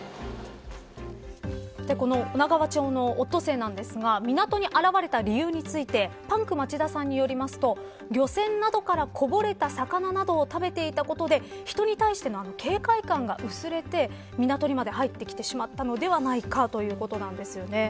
この女川町のオットセイなんですが港に現れた理由についてパンク町田さんによりますと漁船などから、こぼれた魚などを食べていたことで人に対しての警戒感が薄れて港にまで入ってきてしまったのではないかということなんですよね。